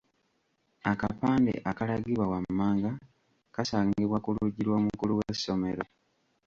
Akapande akalagibwa wammanga kaasangibwa ku luggi lw’omukulu w'essomero.